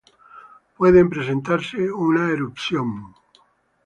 Puede presentarse una erupción.